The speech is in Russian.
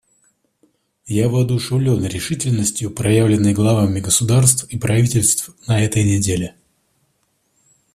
Я воодушевлен решительностью, проявленной главами государств и правительств на этой неделе.